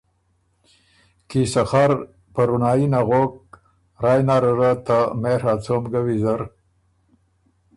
کی ل سخر په رونړايي نغوک۔ رایٛ نره ره ته مېڒ ا څوم ګۀ ویزر